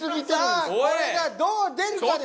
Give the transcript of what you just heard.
さあこれがどう出るかですよ。